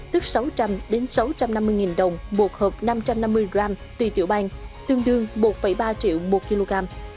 tức sáu trăm linh sáu trăm năm mươi đồng một hộp năm trăm năm mươi gram tùy tiểu ban tương đương một ba triệu một kg